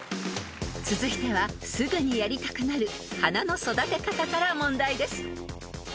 ［続いてはすぐにやりたくなる花の育て方から問題です］